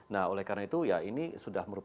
nah oleh karena itu ya ini sudah merupakan